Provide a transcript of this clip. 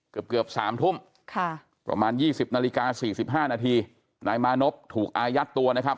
เกือบเกือบ๓ทุ่มประมาณ๒๐นาฬิกา๔๕นาทีนายมานพถูกอายัดตัวนะครับ